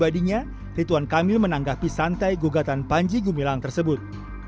pribadinya rituan kamil menanggapi santai gugatan panji gumilang tersebut